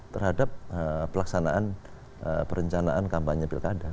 terhadap pelaksanaan perencanaan kampanye pilkada